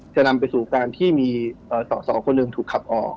จะนำไปสู่การที่มีสอสอคนหนึ่งถูกขับออก